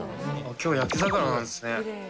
今日焼き魚なんですね。